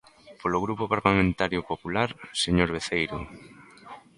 Polo Grupo Parlamentario Popular, señor Veceiro.